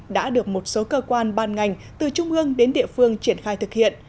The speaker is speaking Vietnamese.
đã được một số cơ quan ban ngành từ trung ương đến địa phương triển khai thực hiện